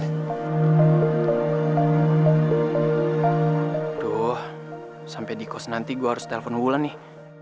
aduh sampai dikos nanti gue harus telepon wulan nih